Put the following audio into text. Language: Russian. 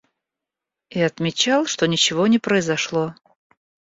И отмечал, что ничего не произошло.